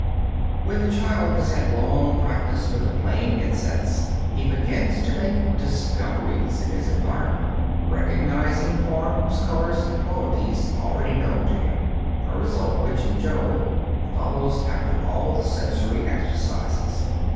When the child has had long practise with the plane insets, he begins to make "discoveries" in his environment, recognizing forms, colors, and qualities already known to him a result which, in general, follows after all the sensory exercises.